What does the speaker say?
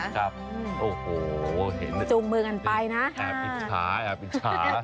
ครับโอ้โหเห็นจูงมือกันไปนะแอบอิจฉาแอบอิจฉา